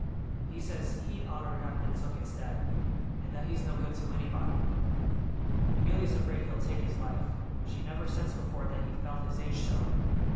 He says he'd oughter have been took instead, and that he's no good to anybody. 'Melia's afraid he'll take his life; she never sensed before that he felt his age so."